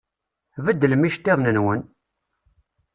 Beddlem iceṭṭiḍen-nwen!